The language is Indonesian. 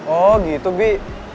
oh gitu bi